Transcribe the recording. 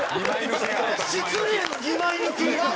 失礼の二枚抜き！